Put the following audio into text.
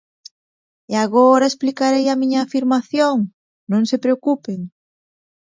E agora explicarei a miña afirmación, non se preocupen.